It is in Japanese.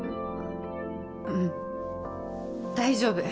うん大丈夫。